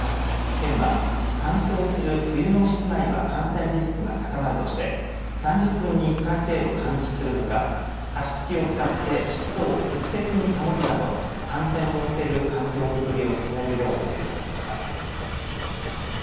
県は、乾燥する冬の室内は感染リスクが高まるとして３０分に１回程度、換気するほか加湿器を使って湿度を適切に保つなど感染を防ぐ環境づくりを進めるよう呼びかけています。